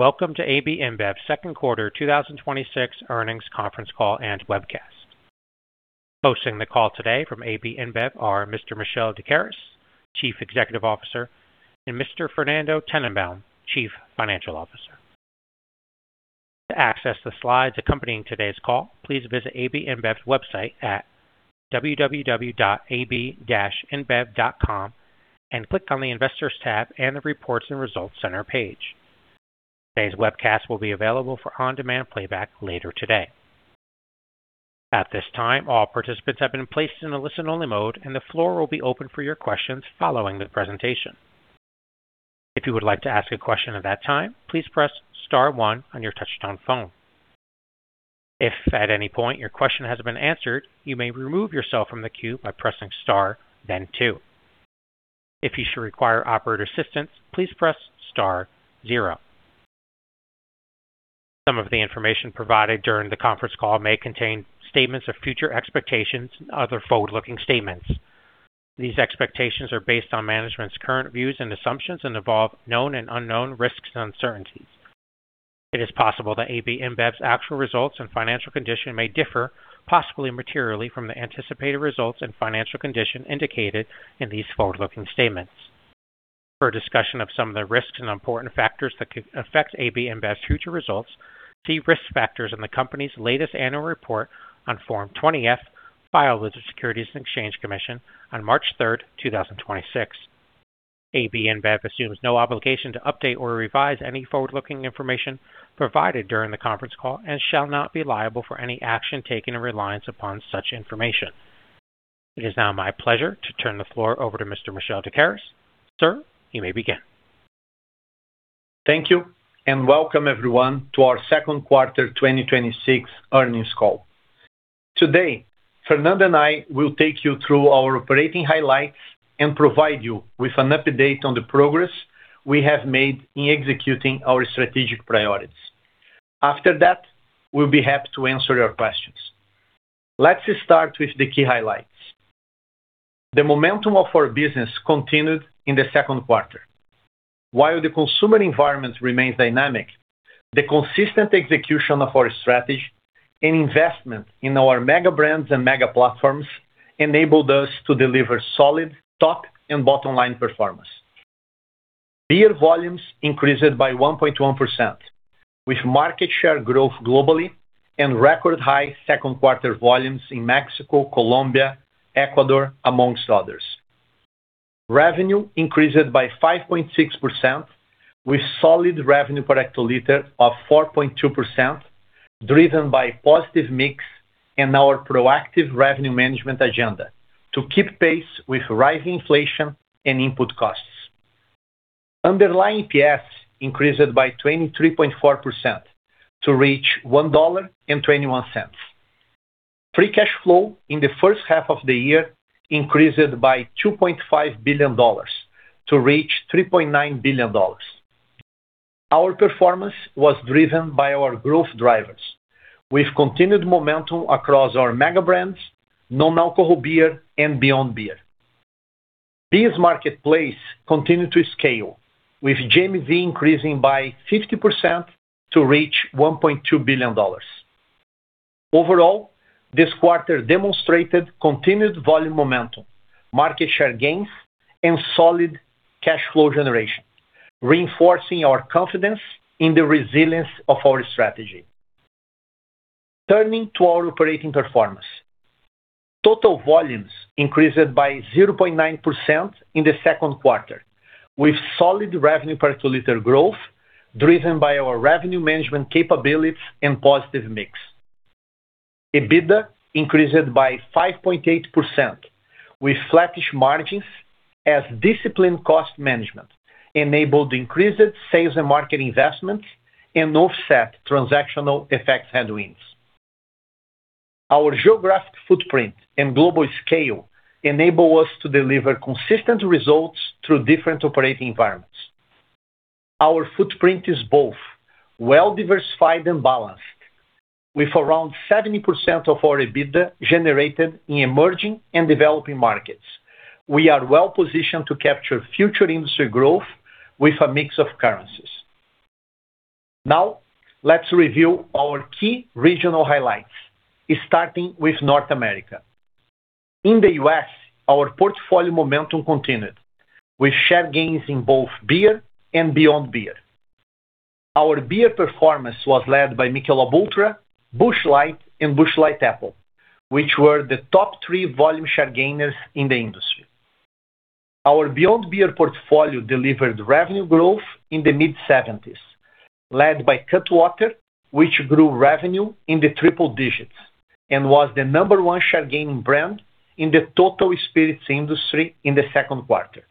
Welcome to AB InBev's second quarter 2026 earnings conference call and webcast. Hosting the call today from AB InBev are Mr. Michel Doukeris, Chief Executive Officer, and Mr. Fernando Tennenbaum, Chief Financial Officer. To access the slides accompanying today's call, please visit AB InBev website at www.ab-inbev.com and click on the investors tab and the reports and results center page. Today's webcast will be available for on-demand playback later today. At this time, all participants have been placed in a listen-only mode, and the floor will be open for your questions following the presentation. If you would like to ask a question at that time, please press star one on your touchtone phone. If at any point your question has been answered, you may remove yourself from the queue by pressing star, then two. If you should require operator assistance, please press star zero. Some of the information provided during the conference call may contain statements of future expectations and other forward-looking statements. These expectations are based on management's current views and assumptions and involve known and unknown risks and uncertainties. It is possible that AB InBev's actual results and financial condition may differ, possibly materially, from the anticipated results and financial condition indicated in these forward-looking statements. For a discussion of some of the risks and important factors that could affect AB InBev's future results, see risk factors in the company's latest annual report on Form 20-F filed with the Securities and Exchange Commission on March 3rd, 2026. AB InBev assumes no obligation to update or revise any forward-looking information provided during the conference call and shall not be liable for any action taken in reliance upon such information. It is now my pleasure to turn the floor over to Mr. Michel Doukeris. Sir, you may begin. Thank you. Welcome everyone to our second quarter 2026 earnings call. Today, Fernando and I will take you through our operating highlights and provide you with an update on the progress we have made in executing our strategic priorities. After that, we'll be happy to answer your questions. Let's start with the key highlights. The momentum of our business continued in the second quarter. While the consumer environment remains dynamic, the consistent execution of our strategy and investment in our mega brands and mega platforms enabled us to deliver solid top and bottom-line performance. Beer volumes increased by 1.1%, with market share growth globally and record high second quarter volumes in Mexico, Colombia, Ecuador, amongst others. Revenue increased by 5.6%, with solid revenue per hectoliter of 4.2%, driven by positive mix and our proactive revenue management agenda to keep pace with rising inflation and input costs. Underlying EPS increased by 23.4% to reach $1.21. Free cash flow in the first half of the year increased by $2.5 billion to reach $3.9 billion. Our performance was driven by our growth drivers with continued momentum across our mega brands, non-alcohol beer and Beyond Beer. BEES marketplace continued to scale with GMV increasing by 50% to reach $1.2 billion. Overall, this quarter demonstrated continued volume momentum, market share gains, and solid cash flow generation, reinforcing our confidence in the resilience of our strategy. Turning to our operating performance. Total volumes increased by 0.9% in the second quarter, with solid revenue per hectoliter growth driven by our revenue management capabilities and positive mix. EBITDA increased by 5.8% with flattish margins as disciplined cost management enabled increased sales and market investments and offset transactional effect headwinds. Our geographic footprint and global scale enable us to deliver consistent results through different operating environments. Our footprint is both well-diversified and balanced. With around 70% of our EBITDA generated in emerging and developing markets, we are well-positioned to capture future industry growth with a mix of currencies. Now, let's review our key regional highlights, starting with North America. In the U.S., our portfolio momentum continued with share gains in both beer and Beyond Beer. Our beer performance was led by Michelob ULTRA, Busch Light, and Busch Light Apple, which were the top three volume share gainers in the industry. Our Beyond Beer portfolio delivered revenue growth in the mid-70s, led by Cutwater, which grew revenue in the triple digits and was the number one share gaining brand in the total spirits industry in the second quarter.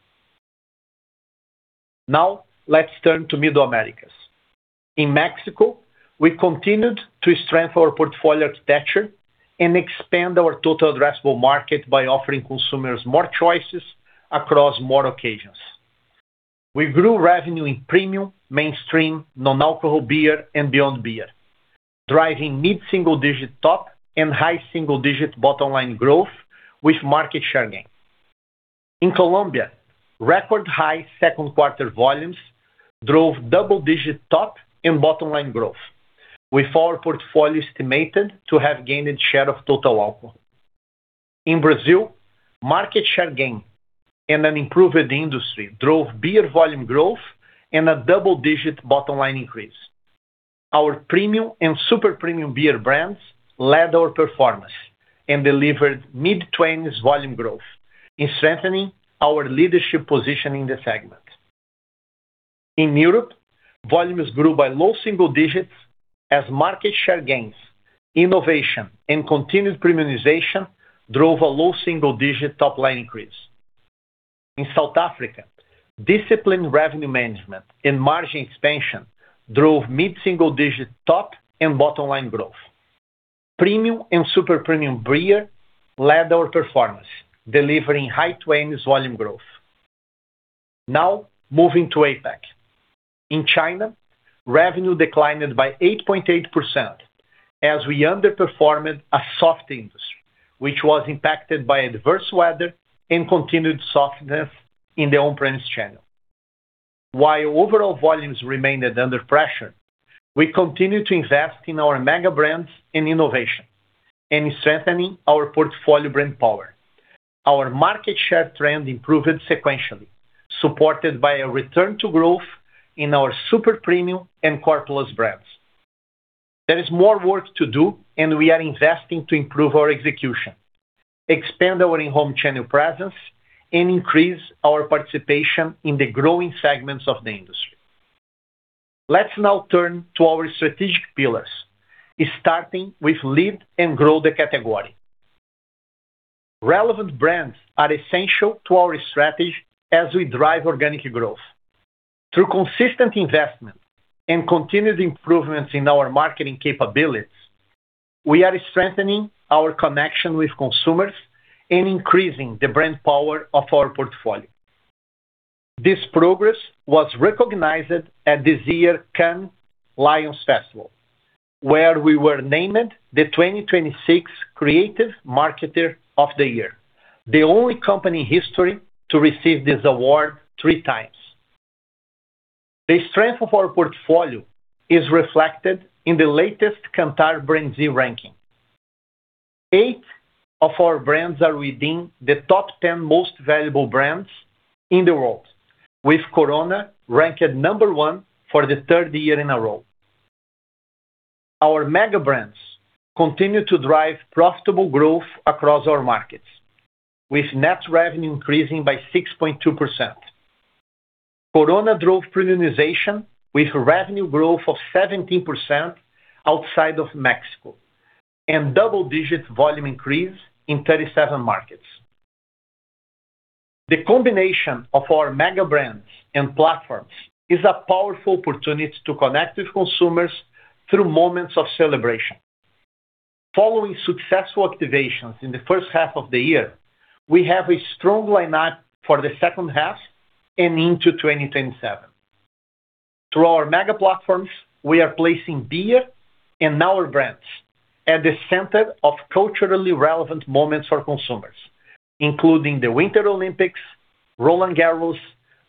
Now, let's turn to Middle Americas. In Mexico, we continued to strengthen our portfolio architecture and expand our total addressable market by offering consumers more choices across more occasions. We grew revenue in premium, mainstream, non-alcohol beer and Beyond Beer, driving mid-single-digit top and high single-digit bottom-line growth with market share gains. In Colombia, record high second quarter volumes drove double-digit top and bottom line growth with our portfolio estimated to have gained its share of total alcohol. In Brazil, market share gain and an improved industry drove beer volume growth and a double-digit bottom line increase. Our premium and super premium beer brands led our performance and delivered mid-20s volume growth in strengthening our leadership position in the segment. In Europe, volumes grew by low single digits as market share gains, innovation, and continued premiumization drove a low single-digit top-line increase. In South Africa, disciplined revenue management and margin expansion drove mid-single digit top and bottom line growth. Premium and super premium beer led our performance, delivering high 20s volume growth. Now moving to APAC. In China, revenue declined by 8.8% as we underperformed a soft industry, which was impacted by adverse weather and continued softness in the on-premise channel. While overall volumes remained under pressure, we continued to invest in our mega brands and innovation and strengthening our portfolio brand power. Our market share trend improved sequentially, supported by a return to growth in our super premium and core plus brands. We are investing to improve our execution, expand our in-home channel presence, and increase our participation in the growing segments of the industry. Let's now turn to our strategic pillars, starting with lead and grow the category. Relevant brands are essential to our strategy as we drive organic growth. Through consistent investment and continued improvements in our marketing capabilities, we are strengthening our connection with consumers and increasing the brand power of our portfolio. This progress was recognized at this year's Cannes Lions Festival, where we were named the 2026 Creative Marketer of the Year, the only company in history to receive this award three times. The strength of our portfolio is reflected in the latest Kantar BrandZ ranking. Eight of our brands are within the top 10 most valuable brands in the world, with Corona ranked number one for the third year in a row. Our mega brands continue to drive profitable growth across our markets, with net revenue increasing by 6.2%. Corona drove premiumization with revenue growth of 17% outside of Mexico and double-digit volume increase in 37 markets. The combination of our mega brands and platforms is a powerful opportunity to connect with consumers through moments of celebration. Following successful activations in the first half of the year, we have a strong lineup for the second half and into 2027. Through our mega platforms, we are placing beer and our brands at the center of culturally relevant moments for consumers, including the Winter Olympics, Roland-Garros,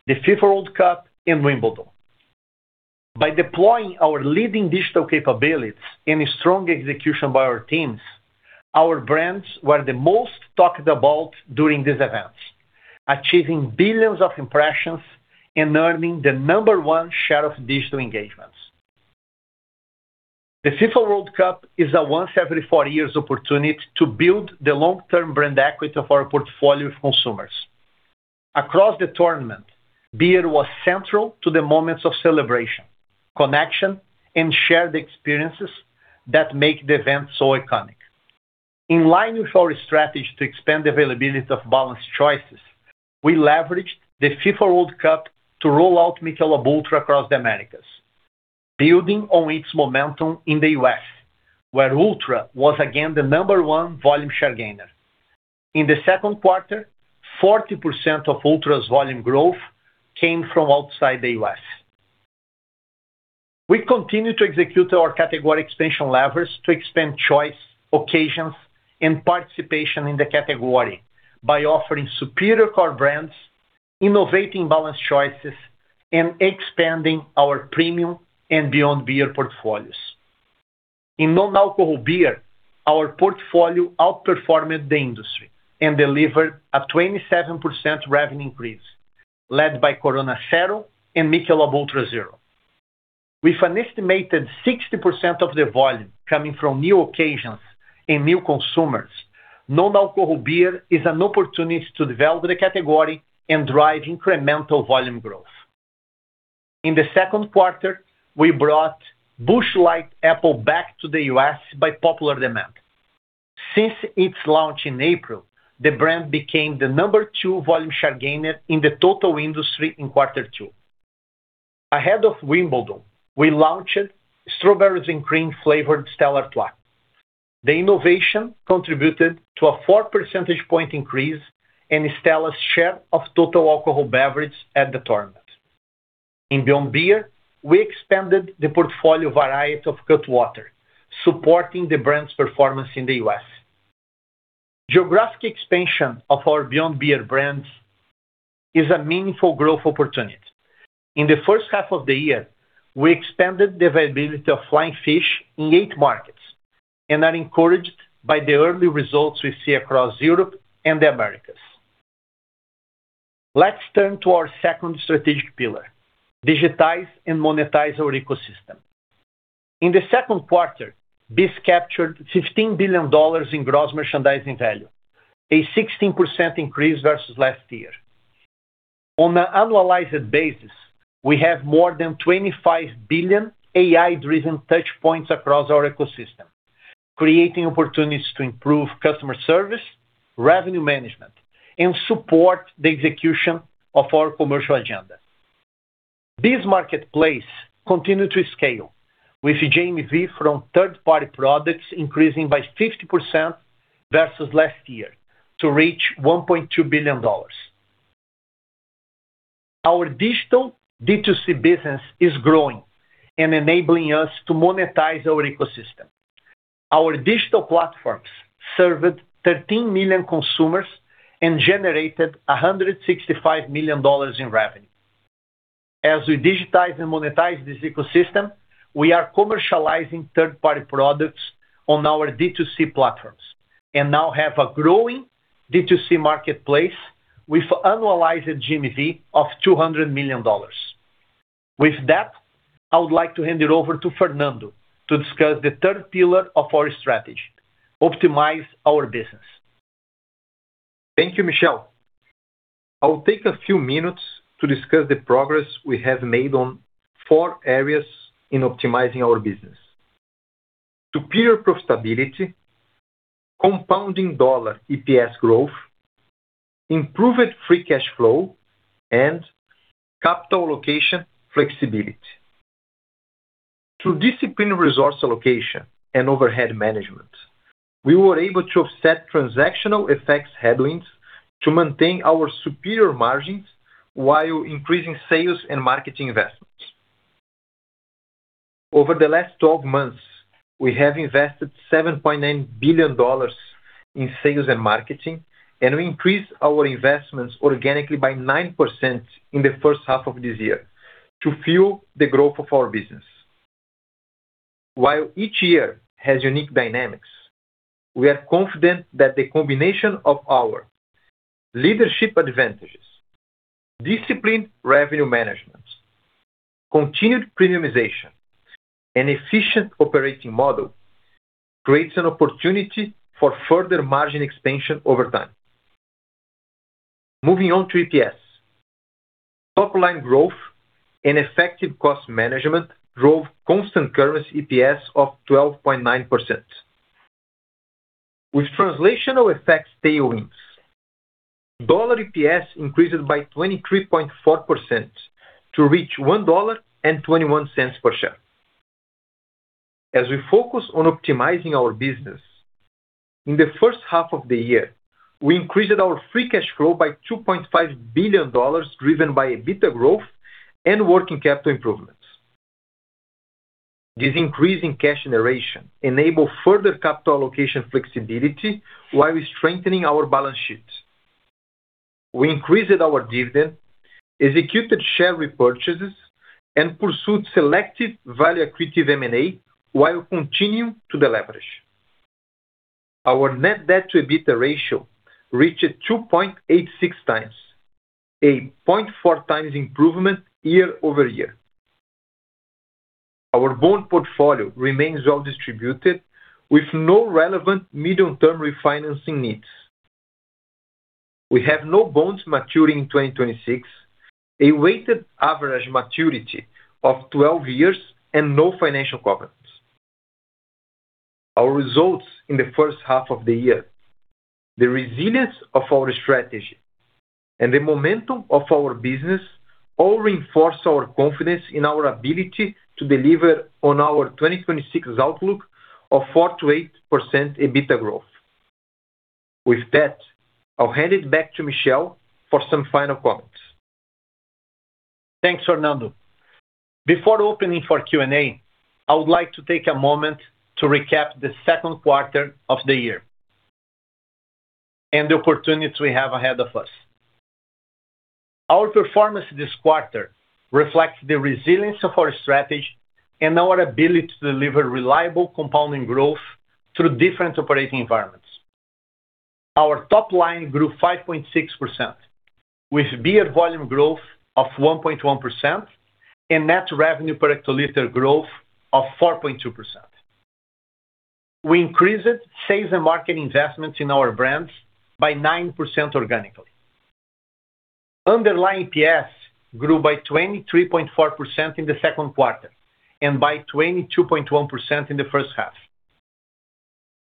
the FIFA World Cup and Wimbledon. By deploying our leading digital capabilities and a strong execution by our teams, our brands were the most talked about during these events, achieving billions of impressions and earning the number one share of digital engagements. The FIFA World Cup is a once every four years opportunity to build the long-term brand equity of our portfolio of consumers. Across the tournament, beer was central to the moments of celebration, connection, and shared experiences that make the event so iconic. In line with our strategy to expand the availability of balanced choices, we leveraged the FIFA World Cup to roll out Michelob ULTRA across the Americas, building on its momentum in the U.S., where ULTRA was again the number one volume share gainer. In the second quarter, 40% of ULTRA's volume growth came from outside the U.S. We continue to execute our category expansion levers to expand choice, occasions, and participation in the category by offering superior core brands, innovating balanced choices, and expanding our premium and beyond beer portfolios. In non-alcohol beer, our portfolio outperformed the industry and delivered a 27% revenue increase, led by Corona Cero and Michelob ULTRA Zero. With an estimated 60% of the volume coming from new occasions and new consumers, non-alcohol beer is an opportunity to develop the category and drive incremental volume growth. In the second quarter, we brought Busch Light Apple back to the U.S. by popular demand. Since its launch in April, the brand became the number two volume share gainer in the total industry in quarter two. Ahead of Wimbledon, we launched Strawberries & Cream flavored Stella Platinum. The innovation contributed to a four percentage point increase in Stella's share of total alcohol beverage at the tournament. In Beyond Beer, we expanded the portfolio variety of Cutwater, supporting the brand's performance in the U.S. Geographic expansion of our Beyond Beer brands is a meaningful growth opportunity. In the first half of the year, we expanded the availability of Flying Fish in eight markets and are encouraged by the early results we see across Europe and the Americas. Let's turn to our second strategic pillar, digitize and monetize our ecosystem. In the second quarter, this captured $15 billion in gross merchandising value, a 16% increase versus last year. On an annualized basis, we have more than 25 billion AI-driven touchpoints across our ecosystem, creating opportunities to improve customer service, revenue management, and support the execution of our commercial agenda. This marketplace continued to scale with GMV from third-party products increasing by 50% versus last year, to reach $1.2 billion. Our digital D2C business is growing and enabling us to monetize our ecosystem. Our digital platforms served 13 million consumers and generated $165 million in revenue. As we digitize and monetize this ecosystem, we are commercializing third-party products on our D2C platforms and now have a growing D2C marketplace with annualized GMV of $200 million. With that, I would like to hand it over to Fernando to discuss the third pillar of our strategy: optimize our business. Thank you, Michel. I will take a few minutes to discuss the progress we have made on four areas in optimizing our business. Superior profitability, compounding dollar EPS growth, improved free cash flow, and capital location flexibility. Through disciplined resource allocation and overhead management, we were able to offset transactional effect headwinds to maintain our superior margins while increasing sales and marketing investments. Over the last 12 months, we have invested $7.9 billion in sales and marketing, and we increased our investments organically by 9% in the first half of this year to fuel the growth of our business. While each year has unique dynamics, we are confident that the combination of our leadership advantages, disciplined revenue management, continued premiumization, and efficient operating model creates an opportunity for further margin expansion over time. Moving on to EPS. Top-line growth and effective cost management drove constant currency EPS of 12.9%. With translational effect tailwinds, dollar EPS increased by 23.4% to reach $1.21 per share. As we focus on optimizing our business, in the first half of the year, we increased our free cash flow by $2.5 billion, driven by EBITDA growth and working capital improvements. This increase in cash generation enabled further capital allocation flexibility while strengthening our balance sheet. We increased our dividend, executed share repurchases, and pursued selective value-accretive M&A while continuing to deleverage. Our net debt to EBITDA ratio reached 2.86x, a 0.4x improvement year-over-year. Our bond portfolio remains well distributed with no relevant medium-term refinancing needs. We have no bonds maturing in 2026, a weighted average maturity of 12 years, and no financial covenants. Our results in the first half of the year, the resilience of our strategy, and the momentum of our business all reinforce our confidence in our ability to deliver on our 2026 outlook of 4%-8% EBITDA growth. With that, I'll hand it back to Michel for some final comments. Thanks, Fernando. Before opening for Q&A, I would like to take a moment to recap the second quarter of the year and the opportunities we have ahead of us. Our performance this quarter reflects the resilience of our strategy and our ability to deliver reliable compounding growth through different operating environments. Our top line grew 5.6%, with beer volume growth of 1.1% and net revenue per hectoliter growth of 4.2%. We increased sales and marketing investments in our brands by 9% organically. Underlying EPS grew by 23.4% in the second quarter and by 22.1% in the first half.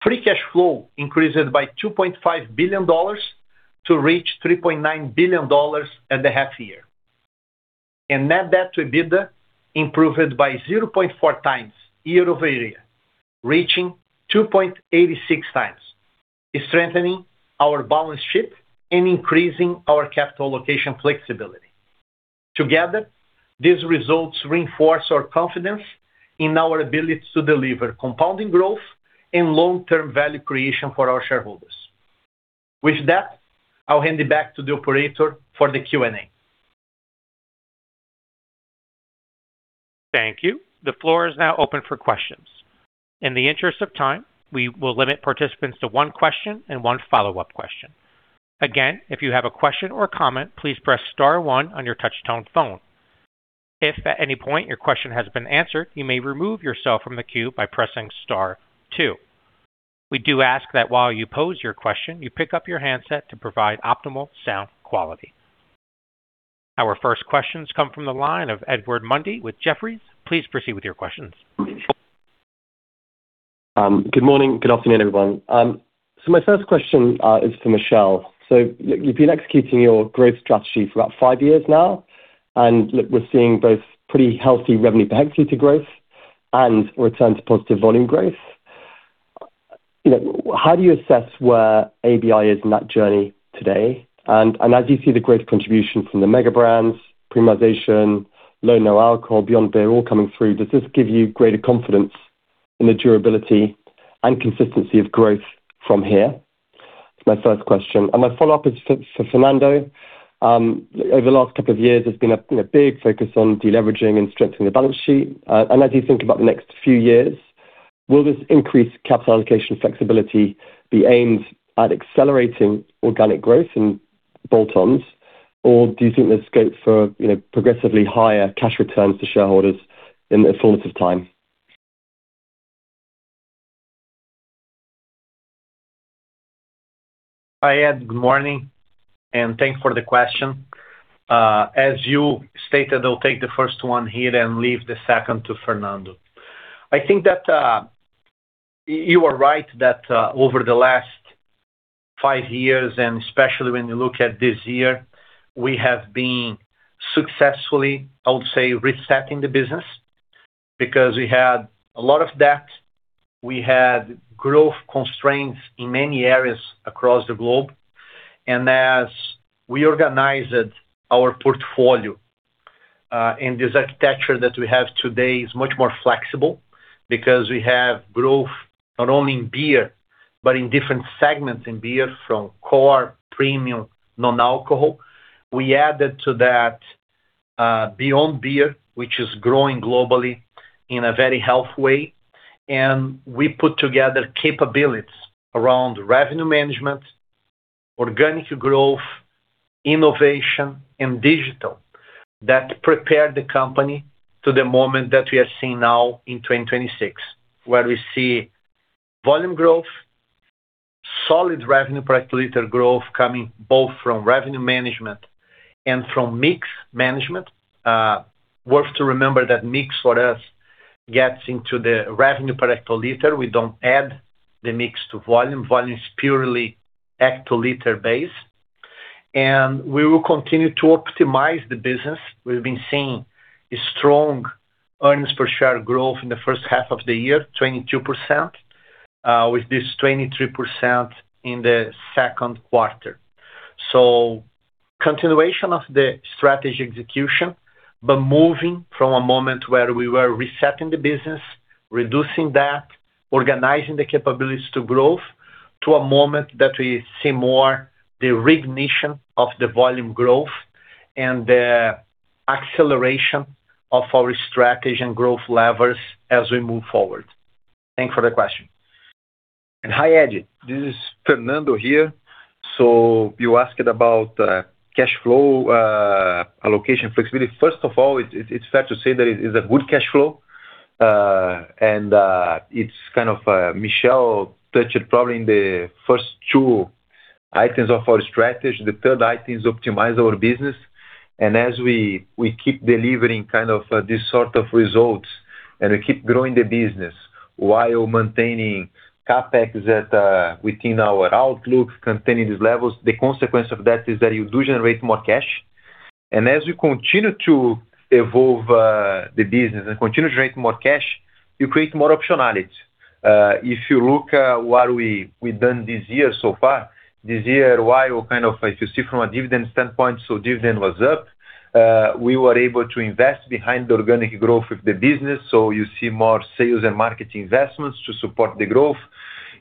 Free cash flow increased by $2.5 billion to reach $3.9 billion at the half year. Net debt to EBITDA improved by 0.4x year-over-year, reaching 2.86x, strengthening our balance sheet and increasing our capital allocation flexibility. Together, these results reinforce our confidence in our ability to deliver compounding growth and long-term value creation for our shareholders. With that, I'll hand it back to the operator for the Q&A. Thank you. The floor is now open for questions. In the interest of time, we will limit participants to one question and one follow-up question. Again, if you have a question or comment, please press star one on your touch-tone phone. If at any point your question has been answered, you may remove yourself from the queue by pressing star two. We do ask that while you pose your question, you pick up your handset to provide optimal sound quality. Our first questions come from the line of Edward Mundy with Jefferies. Please proceed with your questions. Good morning. Good afternoon, everyone. My first question is for Michel. You've been executing your growth strategy for about five years now, and we're seeing both pretty healthy revenue per hectoliter growth and return to positive volume growth. How do you assess where ABI is in that journey today? As you see the growth contribution from the mega brands, premiumization, low, no alcohol, beyond beer all coming through, does this give you greater confidence in the durability and consistency of growth from here? That's my first question. My follow-up is for Fernando. Over the last two years, there's been a big focus on deleveraging and strengthening the balance sheet. As you think about the next few years, will this increase capital allocation flexibility be aimed at accelerating organic growth in bolt-ons, or do you think there's scope for progressively higher cash returns to shareholders in the fullness of time? Hi, Ed. Good morning, and thanks for the question. As you stated, I'll take the first one here and leave the second to Fernando. You are right that over the last five years, and especially when you look at this year, we have been successfully, I would say, resetting the business because we had a lot of debt. We had growth constraints in many areas across the globe. As we organized our portfolio, this architecture that we have today is much more flexible because we have growth not only in beer, but in different segments in beer from core, premium, non-alcohol. We added to that beyond beer, which is growing globally in a very healthy way. We put together capabilities around revenue management, organic growth, innovation, and digital that prepared the company to the moment that we are seeing now in 2026, where we see volume growth, solid revenue price per liter growth coming both from revenue management and from mix management. Worth to remember that mix for us gets into the revenue per hectoliter. We don't add the mix to volume. Volume is purely hectoliter-base. We will continue to optimize the business. We've been seeing strong EPS growth in the first half of the year, 22%, with this 23% in the second quarter. Continuation of the strategy execution, but moving from a moment where we were resetting the business, reducing debt, organizing the capabilities to growth, to a moment that we see more the reignition of the volume growth and the acceleration of our strategy and growth levers as we move forward. Thanks for the question. Hi, Ed. This is Fernando here. You asked about cash flow allocation flexibility. First of all, it's fair to say that it's a good cash flow, and it's kind of Michel touched probably in the first two items of our strategy. The third item is optimize our business. As we keep delivering kind of this sort of results, and we keep growing the business while maintaining CapEx that within our outlook, containing these levels, the consequence of that is that you do generate more cash. As you continue to evolve the business and continue to generate more cash, you create more optionality. If you look what we've done this year so far, this year, while kind of if you see from a dividend standpoint, dividend was up. We were able to invest behind the organic growth of the business. You see more sales and marketing investments to support the growth.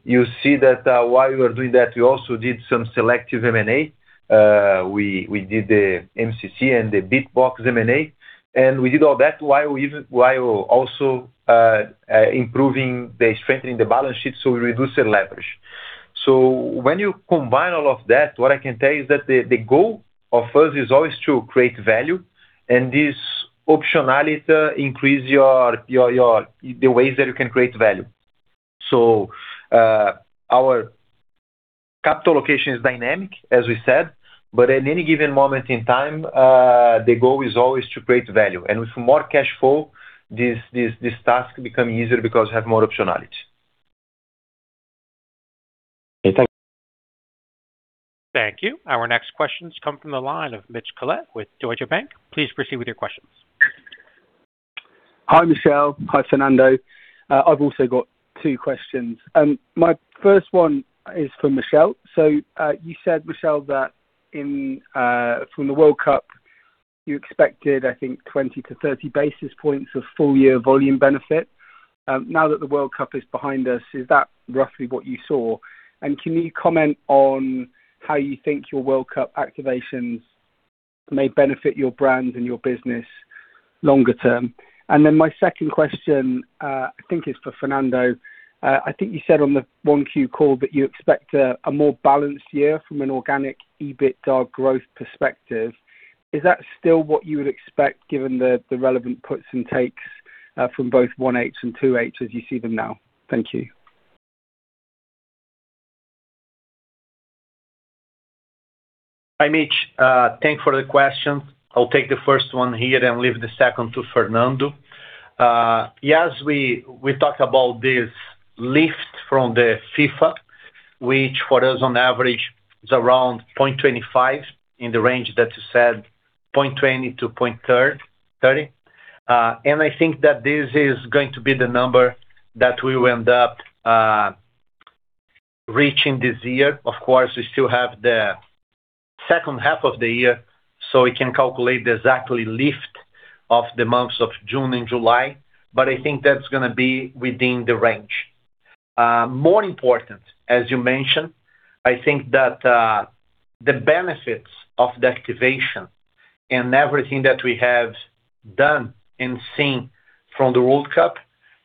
You see that while we were doing that, we also did some selective M&A. We did the MCC and the BeatBox M&A, and we did all that while also improving the strengthening the balance sheet, we reduced the leverage. When you combine all of that, what I can tell you is that the goal of first is always to create value, and this optionality increase the ways that you can create value. Our capital allocation is dynamic, as we said. At any given moment in time, the goal is always to create value. With more cash flow, this task become easier because you have more optionality. Okay, thank you. Thank you. Our next questions come from the line of Mitch Collett with Deutsche Bank. Please proceed with your question. Hi, Michel. Hi, Fernando. I've also got two questions. My first one is for Michel. You said, Michel, that from the World Cup, you expected, I think, 20-30 basis points of full-year volume benefit. Now that the World Cup is behind us, is that roughly what you saw? Can you comment on how you think your World Cup activations may benefit your brand and your business longer term? My second question, I think, is for Fernando. I think you said on the 1Q call that you expect a more balanced year from an organic EBITDA growth perspective. Is that still what you would expect given the relevant puts and takes from both 1H and 2H as you see them now? Thank you. Hi, Mitch. Thanks for the question. I'll take the first one here and leave the second to Fernando. Yes, we talked about this lift from the FIFA, which for us on average is around 0.25 percentage points in the range that you said, 0.20-0.30 percentage point. I think that this is going to be the number that we will end up reaching this year. Of course, we still have the second half of the year. We can calculate the exact lift of the months of June and July. I think that's going to be within the range. More important, as you mentioned, I think that the benefits of the activation and everything that we have done and seen from the World Cup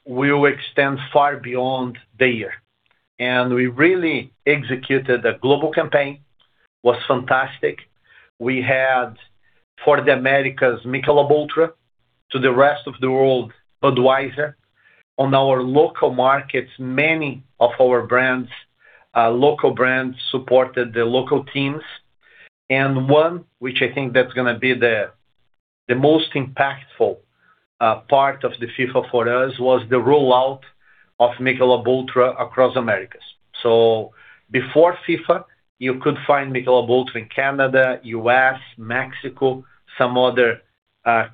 will extend far beyond the year. We really executed a global campaign. It was fantastic. We had, for the Americas, Michelob ULTRA, to the rest of the world, Budweiser. On our local markets, many of our local brands supported the local teams. One, which I think that's going to be the most impactful part of the FIFA for us, was the rollout of Michelob ULTRA across Americas. Before FIFA, you could find Michelob ULTRA in Canada, U.S., Mexico, some other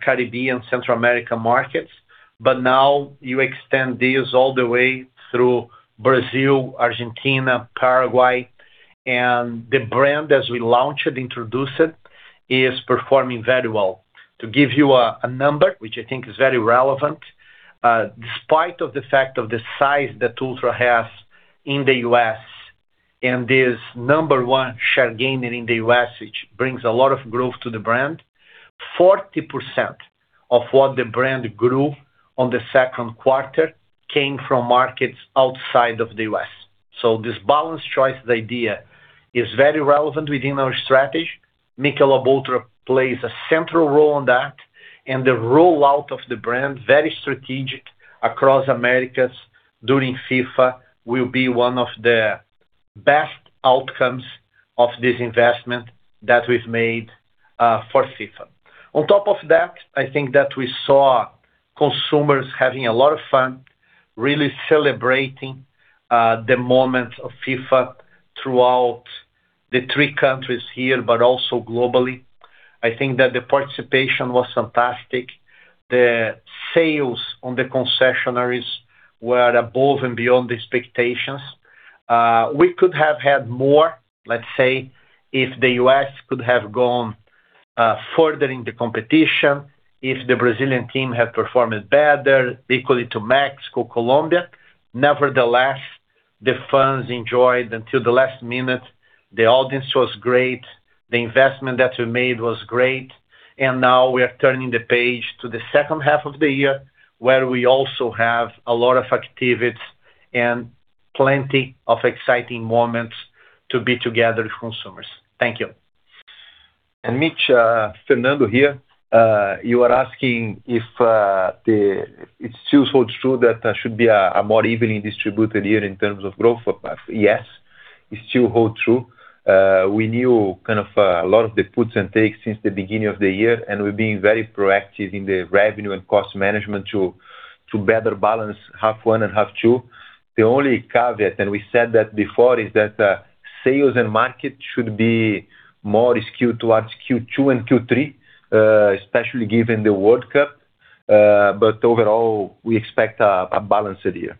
Caribbean, Central America markets. Now you extend this all the way through Brazil, Argentina, Paraguay. The brand, as we launch it, introduce it, is performing very well. To give you a number, which I think is very relevant. Despite of the fact of the size that Michelob ULTRA has in the U.S. and is number one share gainer in the U.S., which brings a lot of growth to the brand, 40% of what the brand grew on the second quarter came from markets outside of the U.S. This balanced choice idea is very relevant within our strategy. Michelob ULTRA plays a central role in that, and the rollout of the brand, very strategic across Americas during FIFA will be one of the best outcomes of this investment that we've made for FIFA. On top of that, I think that we saw consumers having a lot of fun, really celebrating the moment of FIFA throughout the three countries here, but also globally. I think that the participation was fantastic. The sales on the concessionaries were above and beyond expectations. We could have had more, let's say, if the U.S. could have gone further in the competition, if the Brazilian team had performed better, equally to Mexico, Colombia. Nevertheless, the fans enjoyed until the last minute. The audience was great. The investment that we made was great. Now we are turning the page to the second half of the year, where we also have a lot of activities and plenty of exciting moments to be together with consumers. Thank you. Mitch, Fernando here. You are asking if it still holds true that there should be a more evenly distributed year in terms of growth. Yes, it still hold true. We knew kind of a lot of the puts and takes since the beginning of the year, and we're being very proactive in the revenue and cost management to better balance half one and half two. The only caveat, and we said that before, is that sales and market should be more skewed towards Q2 and Q3, especially given the World Cup. Overall, we expect a balanced year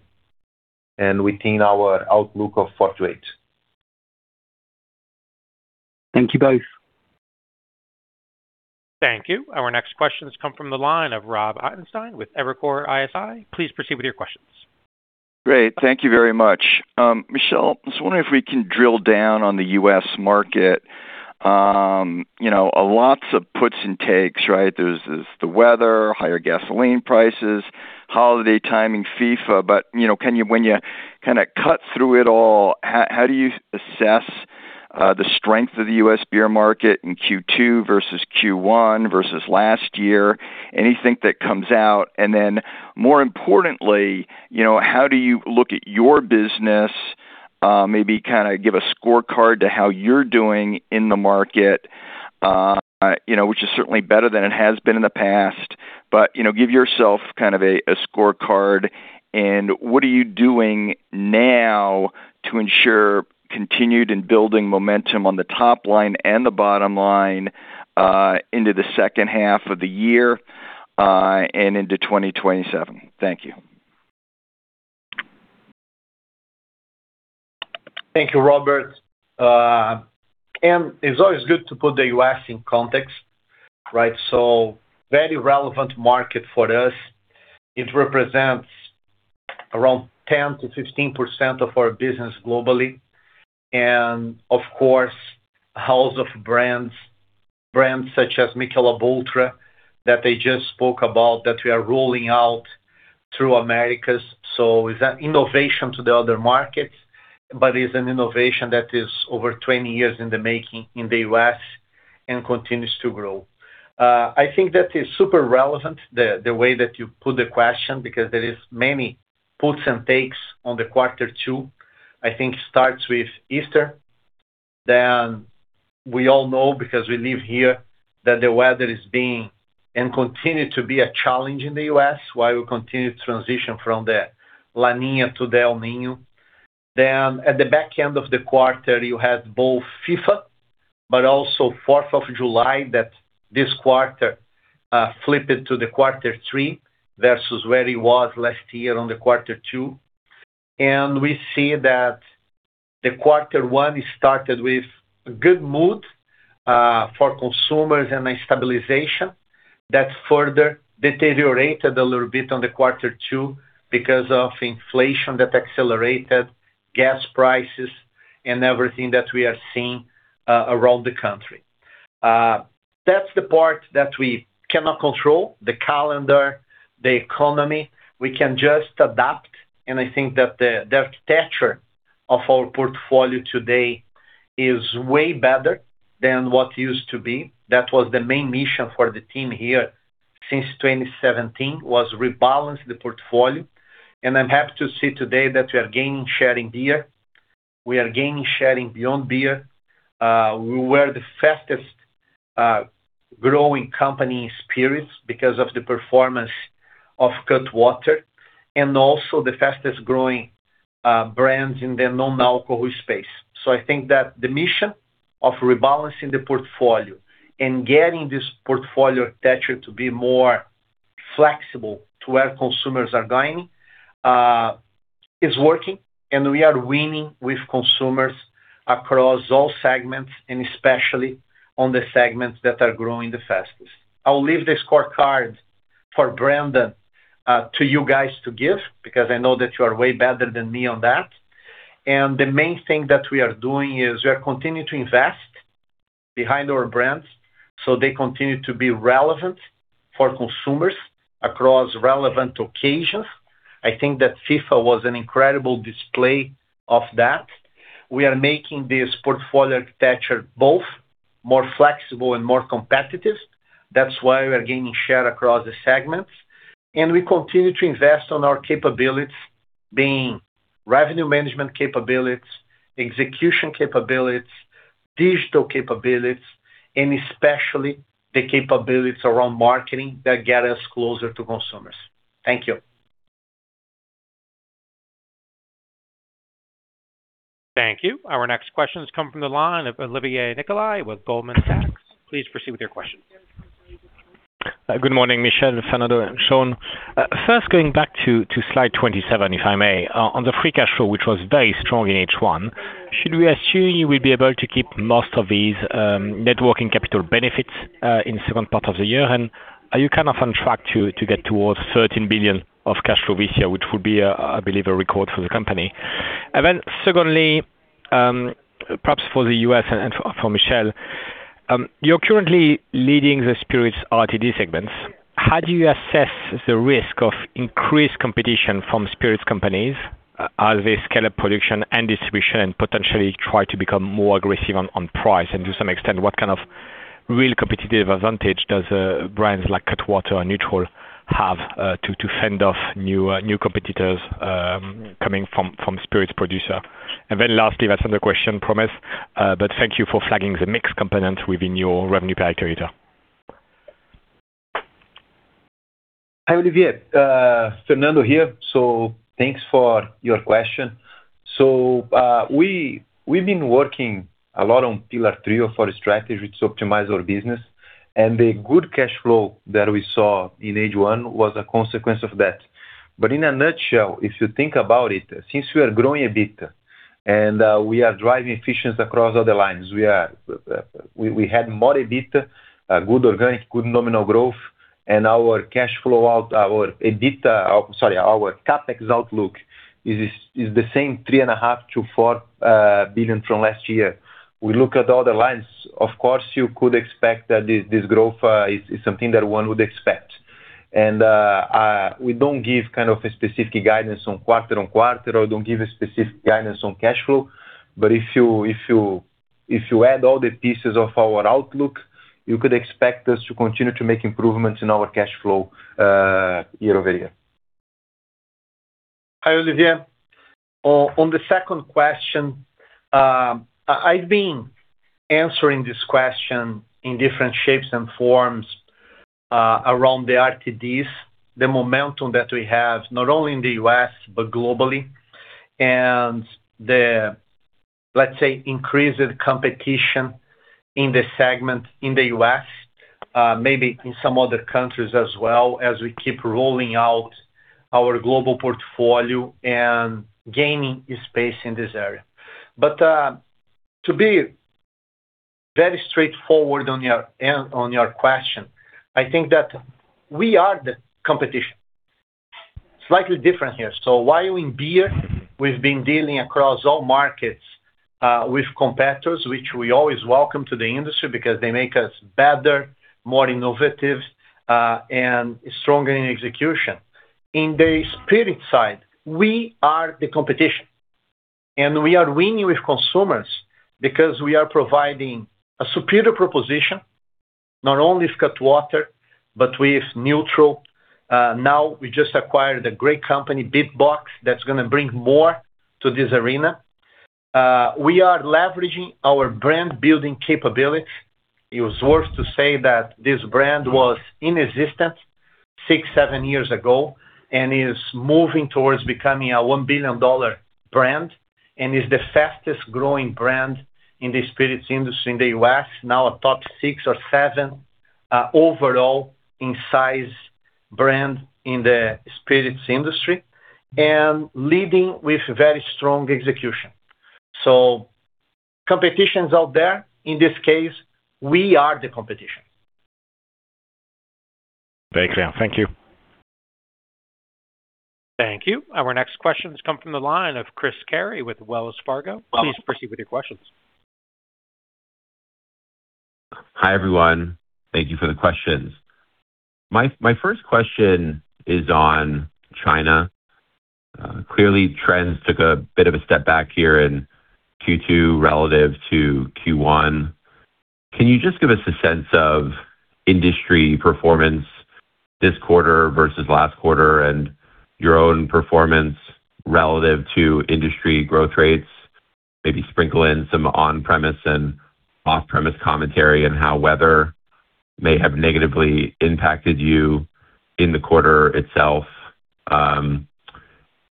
and within our outlook of 4%-8%. Thank you both. Thank you. Our next questions come from the line of Rob Ottenstein with Evercore ISI. Please proceed with your questions. Great. Thank you very much. Michel, I was wondering if we can drill down on the U.S. market. Lots of puts and takes, right? There's the weather, higher gasoline prices, holiday timing, FIFA. When you kind of cut through it all, how do you assess the strength of the U.S. beer market in Q2 versus Q1 versus last year? Anything that comes out? Then more importantly, how do you look at your business? Maybe kind of give a scorecard to how you're doing in the market, which is certainly better than it has been in the past. Give yourself kind of a scorecard What are you doing now to ensure continued and building momentum on the top line and the bottom line into the second half of the year, and into 2027? Thank you. Thank you, Robert. It's always good to put the U.S. in context, right? Very relevant market for us. It represents around 10%-15% of our business globally. Of course, house of brands such as Michelob ULTRA, that I just spoke about, that we are rolling out through Americas. It's an innovation to the other markets, but is an innovation that is over 20 years in the making in the U.S. and continues to grow. I think that is super relevant the way that you put the question, because there is many puts and takes on the quarter two. I think starts with Easter. We all know, because we live here, that the weather is being and continue to be a challenge in the U.S., while we continue to transition from the La Niña to the El Niño. At the back end of the quarter, you had both FIFA but also July 4th that this quarter, flipped it to the quarter three versus where it was last year on the quarter two. We see that the quarter one started with a good mood for consumers and a stabilization that further deteriorated a little bit on the quarter two because of inflation that accelerated gas prices and everything that we are seeing around the country. That's the part that we cannot control, the calendar, the economy. We can just adapt, and I think that the architecture of our portfolio today is way better than what used to be. That was the main mission for the team here since 2017, was rebalance the portfolio. I'm happy to see today that we are gaining share in beer, we are gaining share in beyond beer. We were the fastest growing company in spirits because of the performance of Cutwater and also the fastest growing brands in the non-alcohol space. I think that the mission of rebalancing the portfolio and getting this portfolio architecture to be more flexible to where consumers are going is working, and we are winning with consumers across all segments, and especially on the segments that are growing the fastest. I will leave the scorecard for Brandon to you guys to give, because I know that you are way better than me on that. The main thing that we are doing is we are continuing to invest behind our brands so they continue to be relevant for consumers across relevant occasions. I think that FIFA was an incredible display of that. We are making this portfolio architecture both more flexible and more competitive. That's why we are gaining share across the segments, we continue to invest on our capabilities, being revenue management capabilities, execution capabilities, digital capabilities, and especially the capabilities around marketing that get us closer to consumers. Thank you. Thank you. Our next question is coming from the line of Olivier Nicolaï with Goldman Sachs. Please proceed with your question. Good morning, Michel, Fernando, and Shaun. First, going back to slide 27, if I may. On the free cash flow, which was very strong in H1, should we assume you will be able to keep most of these networking capital benefits in second part of the year? Are you on track to get towards $13 billion of cash flow this year, which would be, I believe, a record for the company. Secondly, perhaps for the U.S. and for Michel. You're currently leading the spirits RTD segments. How do you assess the risk of increased competition from spirits companies as they scale up production and distribution and potentially try to become more aggressive on price? And to some extent, what kind of real competitive advantage does brands like Cutwater and NÜTRL have to fend off new competitors coming from spirits producer? Lastly, that's another question promised. Thank you for flagging the mix component within your revenue per hectoliter. Hi, Olivier. Fernando here. Thanks for your question. We've been working a lot on pillar three of our strategy, which optimize our business. The good cash flow that we saw in H1 was a consequence of that. In a nutshell, if you think about it, since we are growing a bit and we are driving efficiency across other lines, we had more EBITDA, good organic, good nominal growth, and our cash flow out our EBITDA. Sorry, our CapEx outlook is the same $3.5 billion-$4 billion from last year. We look at the other lines. Of course, you could expect that this growth is something that one would expect. We don't give a specific guidance on quarter-on-quarter or don't give a specific guidance on cash flow. If you add all the pieces of our outlook, you could expect us to continue to make improvements in our cash flow year-over-year. Hi, Olivier. On the second question, I've been answering this question in different shapes and forms around the RTDs, the momentum that we have, not only in the U.S., but globally, and the, let's say, increased competition in the segment in the U.S., maybe in some other countries as well, as we keep rolling out our global portfolio and gaining space in this area. To be very straightforward on your question, I think that we are the competition. Slightly different here. While in beer we've been dealing across all markets, with competitors, which we always welcome to the industry because they make us better, more innovative, and stronger in execution. In the spirits side, we are the competition. We are winning with consumers because we are providing a superior proposition, not only with Cutwater, but with NÜTRL. Now we just acquired a great company, BeatBox, that's going to bring more to this arena. We are leveraging our brand-building capability. It was worth to say that this brand was inexistent six, seven years ago and is moving towards becoming a $1 billion brand and is the fastest growing brand in the spirits industry in the U.S., now a top six or seven, overall in size brand in the spirits industry, and leading with very strong execution. Competition's out there. In this case, we are the competition. Very clear. Thank you. Thank you. Our next question comes from the line of Chris Carey with Wells Fargo. Please proceed with your questions. Hi, everyone. Thank you for the questions. My first question is on China. Clearly, trends took a bit of a step back here in Q2 relative to Q1. Can you just give us a sense of industry performance this quarter versus last quarter and your own performance relative to industry growth rates? Maybe sprinkle in some on-premise and off-premise commentary on how weather may have negatively impacted you in the quarter itself.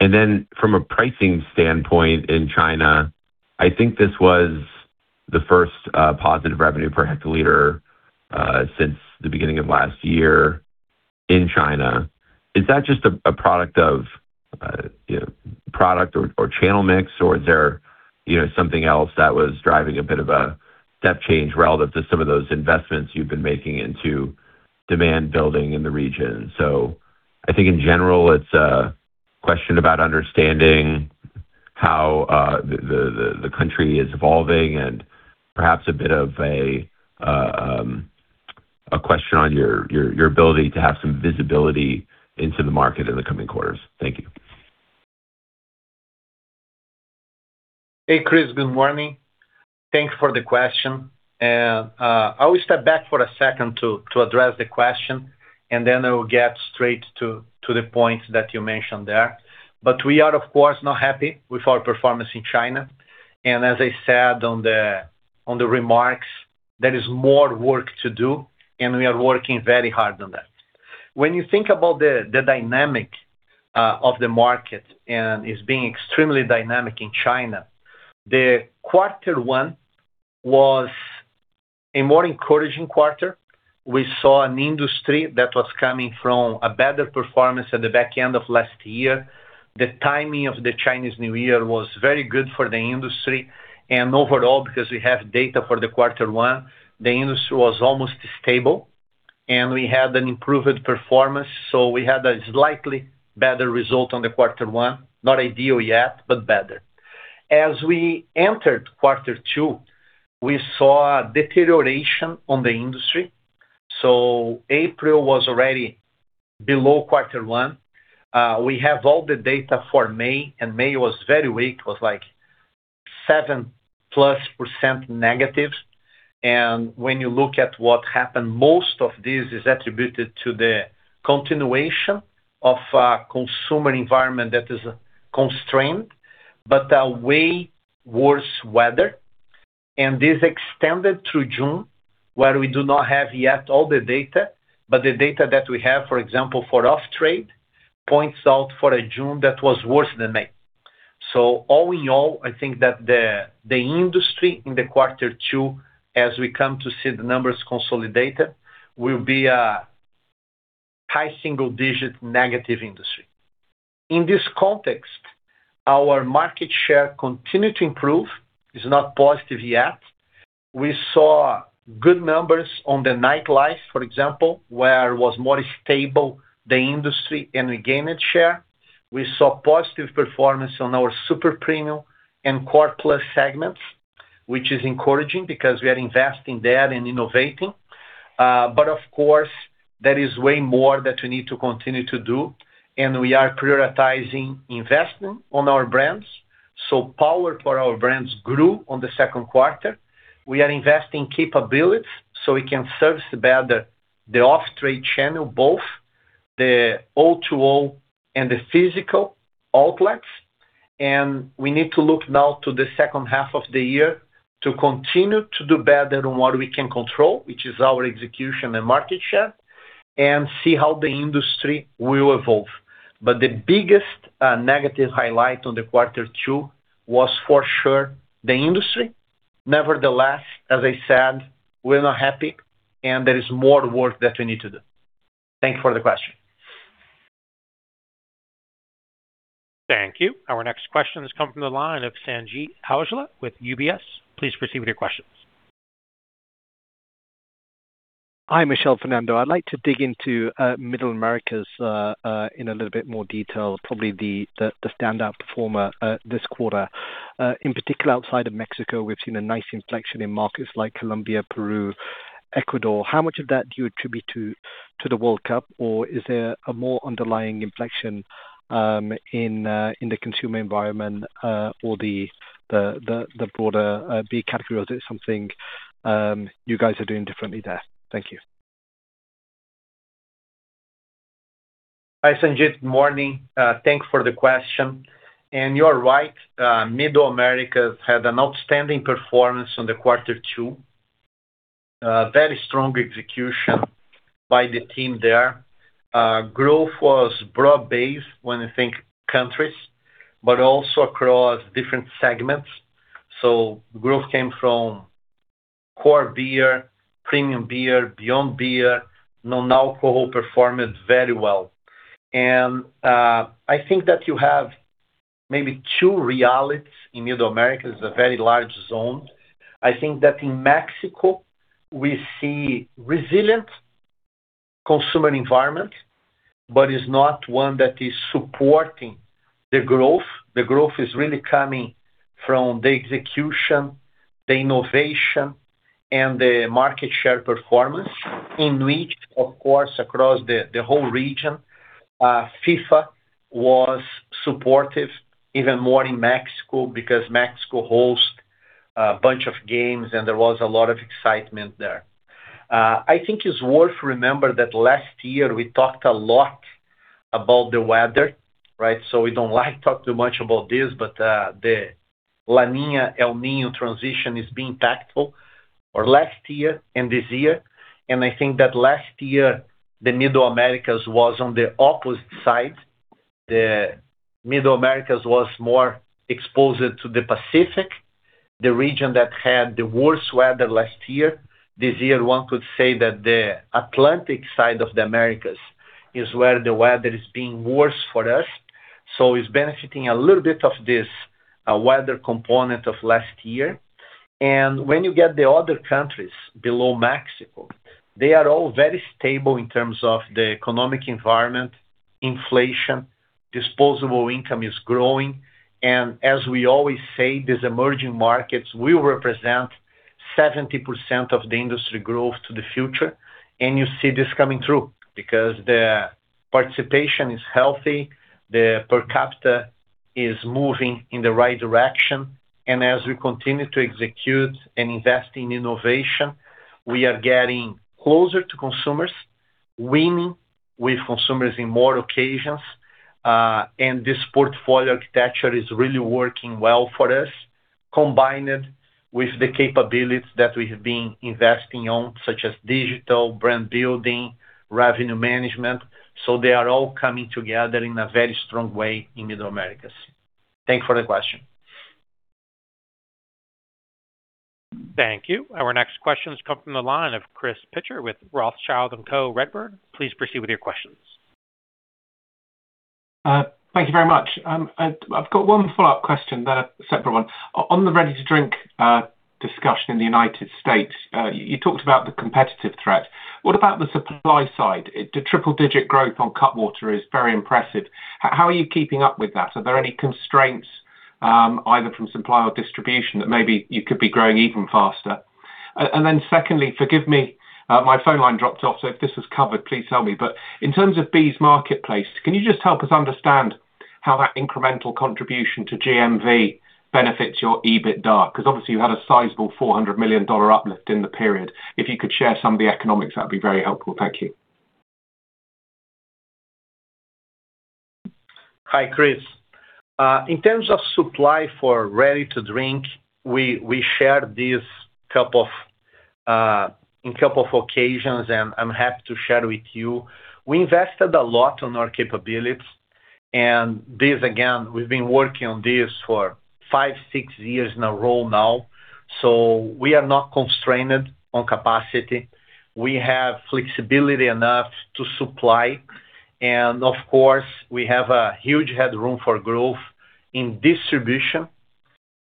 And then from a pricing standpoint in China, I think this was the first positive revenue per hectoliter since the beginning of last year in China. Is that just a product of product or channel mix or is there something else that was driving a bit of a step change relative to some of those investments you've been making into demand building in the region? I think in general, it's a question about understanding how the country is evolving and perhaps a bit of a question on your ability to have some visibility into the market in the coming quarters. Thank you. Hey, Chris. Good morning. Thanks for the question. I will step back for a second to address the question, and then I will get straight to the points that you mentioned there. We are, of course, not happy with our performance in China. As I said on the remarks, there is more work to do, and we are working very hard on that. When you think about the dynamic of the market, and it is being extremely dynamic in China, the quarter one was a more encouraging quarter. We saw an industry that was coming from a better performance at the back end of last year. The timing of the Chinese New Year was very good for the industry and overall, because we have data for the quarter one, the industry was almost stable, and we had an improved performance, so we had a slightly better result on the quarter one. Not ideal yet, but better. As we entered quarter two, we saw a deterioration on the industry. April was already below quarter one. We have all the data for May, and May was very weak. It was like 7%+ negative. When you look at what happened, most of this is attributed to the continuation of a consumer environment that is constrained but a way worse weather. This extended through June, where we do not have yet all the data, but the data that we have, for example, for off-trade points out for a June that was worse than May. All in all, I think that the industry in the quarter two, as we come to see the numbers consolidated, will be a high single-digit negative industry. In this context, our market share continued to improve. It is not positive yet. We saw good numbers on the nightlife, for example, where it was more stable, the industry, and we gained share. We saw positive performance on our super premium and core plus segments, which is encouraging because we are investing there and innovating. Of course, there is way more that we need to continue to do, and we are prioritizing investment on our brands. Power for our brands grew on the second quarter. We are investing in capabilities so we can service better the off-trade channel both the O2O and the physical outlets. We need to look now to the second half of the year to continue to do better on what we can control, which is our execution and market share, and see how the industry will evolve. The biggest negative highlight on the quarter two was, for sure, the industry. Nevertheless, as I said, we are not happy, and there is more work that we need to do. Thank you for the question. Thank you. Our next question has come from the line of Sanjeet Aujla with UBS. Please proceed with your questions. Hi, Michel, Fernando. I'd like to dig into Middle Americas in a little bit more detail. Probably the standout performer this quarter. In particular outside of Mexico, we've seen a nice inflection in markets like Colombia, Peru, Ecuador. How much of that do you attribute to the World Cup? Is there a more underlying inflection in the consumer environment or the broader beer category? Is it something you guys are doing differently there? Thank you. Hi, Sanjeet. Good morning. Thanks for the question. You're right, Middle America had an outstanding performance on the quarter two. Very strong execution by the team there. Growth was broad-based when you think countries, but also across different segments. Growth came from core beer, premium beer, beyond beer. Non-alcohol performed very well. I think that you have maybe two realities in Middle Americas, it's a very large zone. I think that in Mexico, we see resilient consumer environment, but it's not one that is supporting the growth. The growth is really coming from the execution, the innovation, and the market share performance. In which, of course, across the whole region, FIFA was supportive, even more in Mexico, because Mexico host a bunch of games, and there was a lot of excitement there. I think it's worth remembering that last year we talked a lot about the weather, right? We don't like to talk too much about this, but the La Niña, El Niño transition is being tactful for last year and this year. I think that last year, the Middle Americas was on the opposite side. The Middle Americas was more exposed to the Pacific, the region that had the worst weather last year. This year, one could say that the Atlantic side of the Americas is where the weather is being worse for us. It's benefiting a little bit of this weather component of last year. When you get the other countries below Mexico, they are all very stable in terms of the economic environment, inflation, disposable income is growing. As we always say, these emerging markets will represent 70% of the industry growth to the future. You see this coming through, because the participation is healthy, the per capita is moving in the right direction. As we continue to execute and invest in innovation, we are getting closer to consumers, winning with consumers in more occasions. This portfolio architecture is really working well for us, combined with the capabilities that we have been investing on, such as digital, brand building, revenue management. They are all coming together in a very strong way in Middle Americas. Thank you for the question. Thank you. Our next question has come from the line of Chris Pitcher with Rothschild & Co Redburn. Please proceed with your questions. Thank you very much. I've got one follow-up question, then a separate one. On the ready-to-drink discussion in the U.S., you talked about the competitive threat. What about the supply side? The triple-digit growth on Cutwater is very impressive. How are you keeping up with that? Are there any constraints, either from supply or distribution, that maybe you could be growing even faster? Secondly, forgive me, my phone line dropped off, so if this is covered, please tell me. But in terms of BEES marketplace, can you just help us understand how that incremental contribution to GMV benefits your EBITDA? Because obviously you had a sizable $400 million uplift in the period. If you could share some of the economics, that'd be very helpful. Thank you. Hi, Chris. In terms of supply for ready-to-drink, we shared this in couple of occasions, and I'm happy to share with you. We invested a lot on our capabilities, and this again, we've been working on this for five, six years in a row now. We are not constrained on capacity. We have flexibility enough to supply. Of course, we have a huge headroom for growth in distribution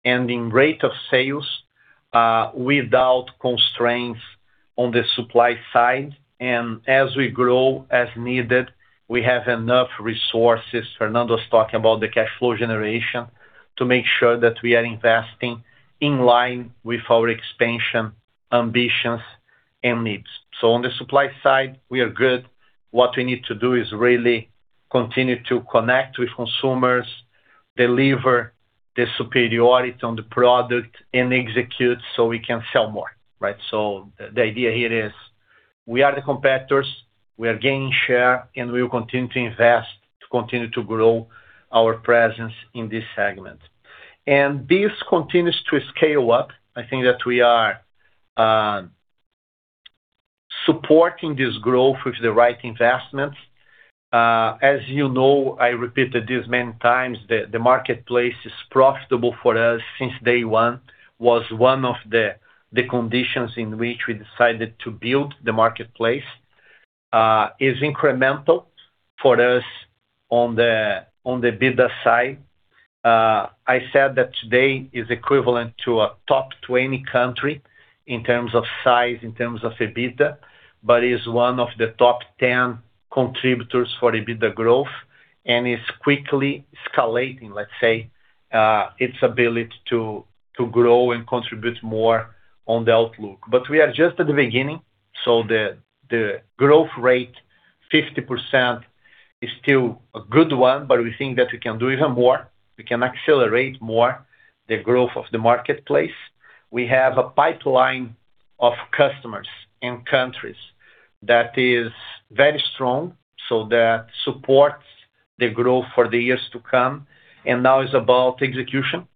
and in rate of sales without constraints on the supply side. As we grow, as needed, we have enough resources. Fernando was talking about the cash flow generation to make sure that we are investing in line with our expansion ambitions and needs. On the supply side, we are good. What we need to do is really continue to connect with consumers. Deliver the superiority on the product and execute so we can sell more. The idea here is we are the competitors, we are gaining share, we will continue to invest to continue to grow our presence in this segment. This continues to scale up. I think that we are supporting this growth with the right investments. As you know, I repeated this many times, the marketplace is profitable for us since day one. It was one of the conditions in which we decided to build the marketplace. It is incremental for us on the EBITDA side. I said that today is equivalent to a top 20 country in terms of size, in terms of EBITDA, is one of the top 10 contributors for EBITDA growth, is quickly escalating, let's say, its ability to grow and contribute more on the outlook. We are just at the beginning. The growth rate, 50%, is still a good one. We think that we can do even more. We can accelerate more the growth of the marketplace. We have a pipeline of customers in countries that is very strong. That supports the growth for the years to come. Now it's about execution.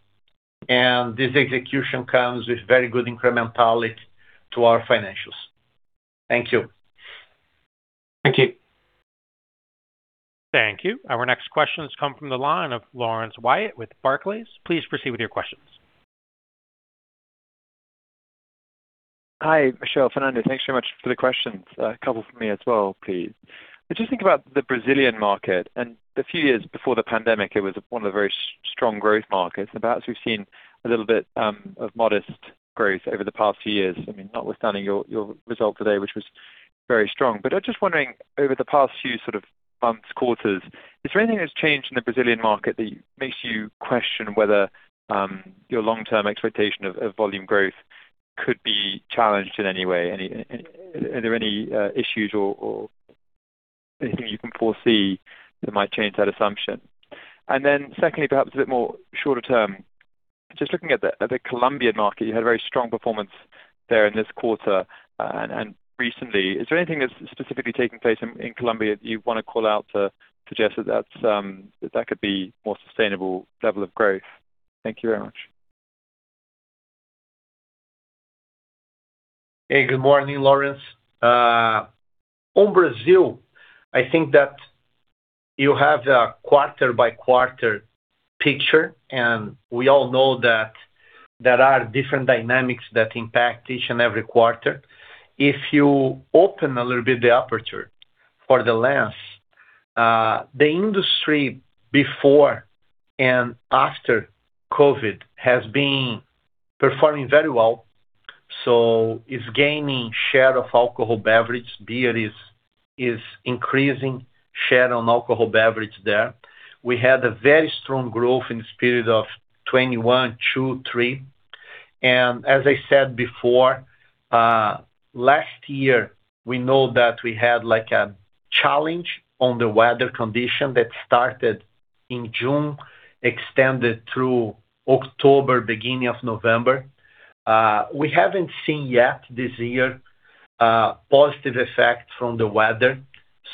This execution comes with very good incrementality to our financials. Thank you. Thank you. Thank you. Our next questions come from the line of Laurence Whyatt with Barclays. Please proceed with your questions. Hi, Michel, Fernando. Thanks very much for the questions. A couple from me as well, please. I just think about the Brazilian market. A few years before the pandemic, it was one of the very strong growth markets. Perhaps we've seen a little bit of modest growth over the past few years, notwithstanding your result today, which was very strong. I'm just wondering, over the past few months, quarters, is there anything that's changed in the Brazilian market that makes you question whether your long-term expectation of volume growth could be challenged in any way? Are there any issues or anything you can foresee that might change that assumption? Secondly, perhaps a bit more shorter term, just looking at the Colombian market, you had a very strong performance there in this quarter and recently. Is there anything that's specifically taking place in Colombia you want to call out to suggest that that could be more sustainable level of growth? Thank you very much. Hey, good morning, Laurence. On Brazil, I think that you have the quarter-by-quarter picture. We all know that there are different dynamics that impact each and every quarter. If you open a little bit the aperture for the lens, the industry before and after COVID has been performing very well. It's gaining share of alcohol beverage. Beer is increasing share on alcohol beverage there. We had a very strong growth in the spirit of 2021, 2022, 2023. As I said before, last year, we know that we had a challenge on the weather condition that started in June, extended through October, beginning of November. We haven't seen yet this year positive effects from the weather.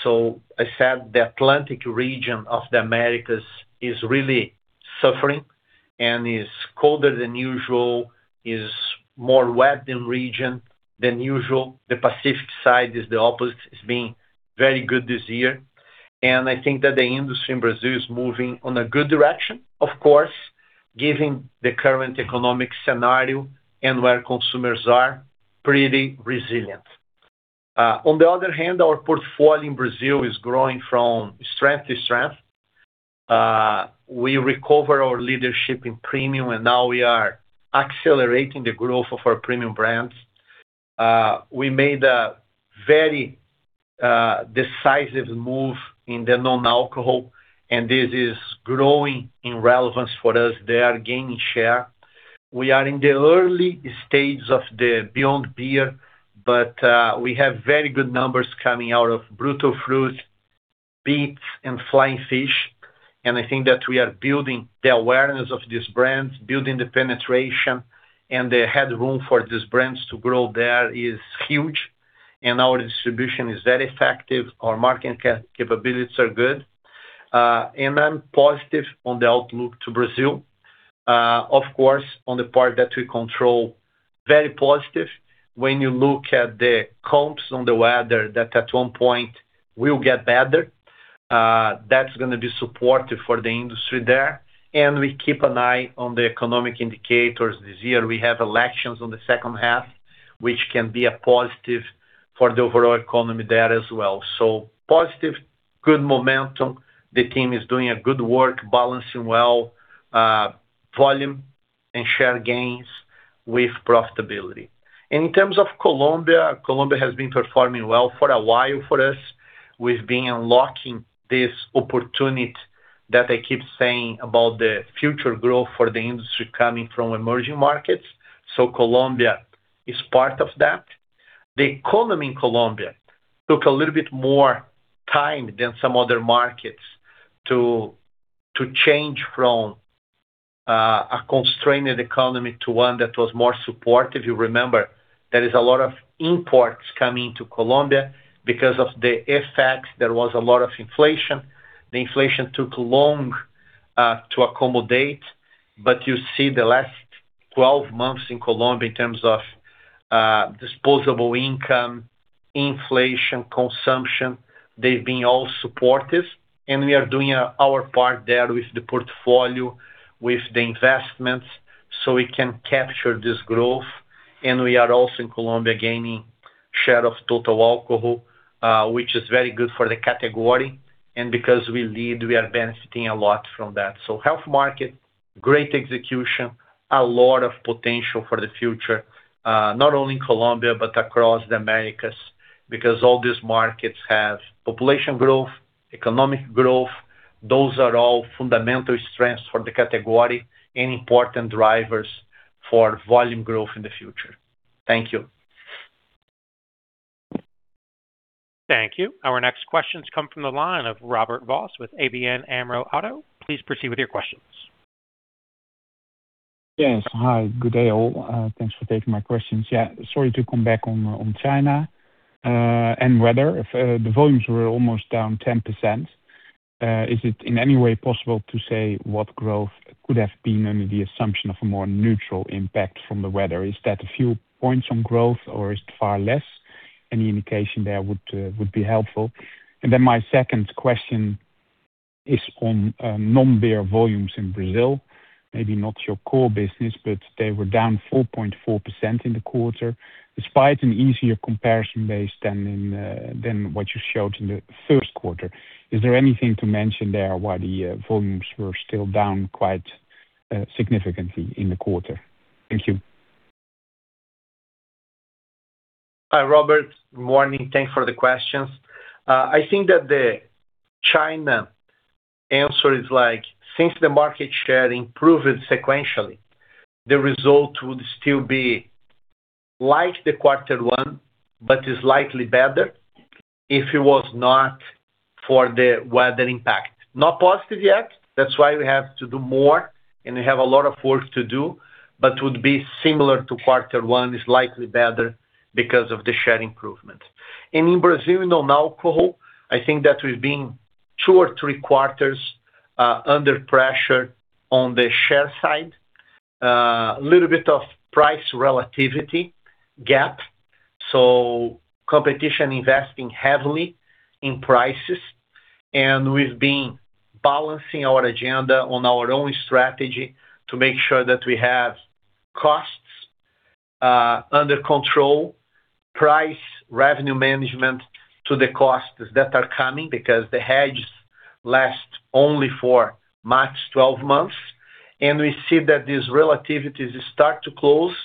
I said the Atlantic region of the Americas is really suffering and is colder than usual, is more wet in region than usual. The Pacific side is the opposite. It's been very good this year. I think that the industry in Brazil is moving on a good direction, of course, given the current economic scenario and where consumers are, pretty resilient. On the other hand, our portfolio in Brazil is growing from strength to strength. We recover our leadership in premium. Now we are accelerating the growth of our premium brands. We made a very decisive move in the non-alcohol. This is growing in relevance for us. They are gaining share. We are in the early stages of the Beyond Beer, but we have very good numbers coming out of Brutal Fruit, BeatBox, and Flying Fish, and I think that we are building the awareness of these brands, building the penetration, and the headroom for these brands to grow there is huge, and our distribution is very effective. Our marketing capabilities are good. I'm positive on the outlook to Brazil. Of course, on the part that we control, very positive. When you look at the comps on the weather, that at one point will get better. That's gonna be supportive for the industry there. We keep an eye on the economic indicators. This year, we have elections on the second half, which can be a positive for the overall economy there as well. Positive, good momentum. The team is doing a good work balancing well volume and share gains with profitability. In terms of Colombia has been performing well for a while for us. We've been unlocking this opportunity that I keep saying about the future growth for the industry coming from emerging markets. Colombia is part of that. The economy in Colombia took a little bit more time than some other markets to change from a constrained economy to one that was more supportive. You remember there is a lot of imports coming to Colombia. Because of the effects, there was a lot of inflation. The inflation took long to accommodate. You see the last 12 months in Colombia in terms of disposable income, inflation, consumption, they've been all supportive. We are doing our part there with the portfolio, with the investments, so we can capture this growth. We are also in Colombia gaining share of total alcohol, which is very good for the category. Because we lead, we are benefiting a lot from that. Healthy market, great execution, a lot of potential for the future, not only in Colombia but across the Americas, because all these markets have population growth, economic growth. Those are all fundamental strengths for the category and important drivers for volume growth in the future. Thank you. Thank you. Our next questions come from the line of Robert Vos with ABN AMRO ODDO. Please proceed with your questions. Yes. Hi. Good day, all. Thanks for taking my questions. Sorry to come back on China and weather. If the volumes were almost down 10%, is it in any way possible to say what growth could have been under the assumption of a more neutral impact from the weather? Is that a few points on growth or is it far less? Any indication there would be helpful. My second question is on non-beer volumes in Brazil. Maybe not your core business, but they were down 4.4% in the quarter, despite an easier comparison base than what you showed in the first quarter. Is there anything to mention there why the volumes were still down quite significantly in the quarter? Thank you. Hi, Robert. Morning. Thanks for the questions. I think that the China answer is since the market share improved sequentially, the result would still be like the quarter one, but is slightly better if it was not for the weather impact. Not positive yet. That's why we have to do more, and we have a lot of work to do. Would be similar to quarter one, is slightly better because of the share improvement. In Brazil, in non-alcohol, I think that we've been two or three quarters under pressure on the share side. A little bit of price relativity gap. Competition investing heavily in prices. We've been balancing our agenda on our own strategy to make sure that we have costs under control, price/revenue management to the costs that are coming because the hedges last only for March 12 months. We see that these relativities start to close.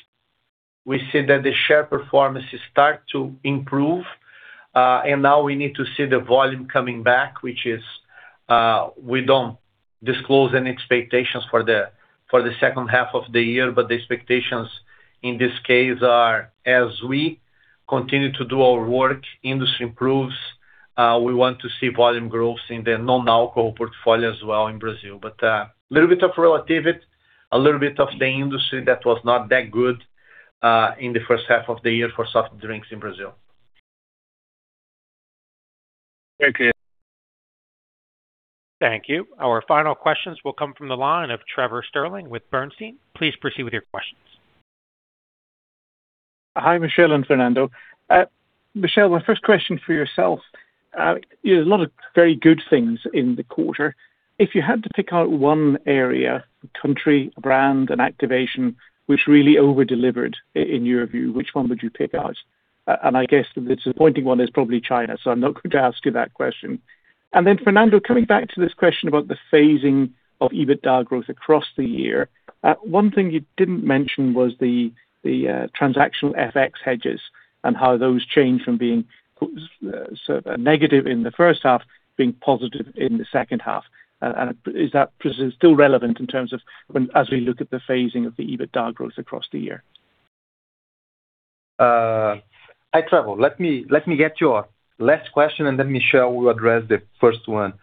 We see that the share performances start to improve. Now we need to see the volume coming back, which is We don't disclose any expectations for the second half of the year, but the expectations in this case are as we continue to do our work, industry improves, we want to see volume growth in the non-alcohol portfolio as well in Brazil. A little bit of relative, a little bit of the industry that was not that good in the first half of the year for soft drinks in Brazil. Thank you. Thank you. Our final questions will come from the line of Trevor Stirling with Bernstein. Please proceed with your questions. Hi, Michel and Fernando. Michel, my first question for yourself. There's a lot of very good things in the quarter. If you had to pick out one area, a country, a brand, an activation which really over-delivered in your view, which one would you pick out? I guess the disappointing one is probably China, so I'm not going to ask you that question. Then Fernando, coming back to this question about the phasing of EBITDA growth across the year. One thing you didn't mention was the transactional FX hedges and how those change from being negative in the first half, being positive in the second half. Is that still relevant in terms of as we look at the phasing of the EBITDA growth across the year? Hi, Trevor. Let me get your last question, then Michel will address the first one.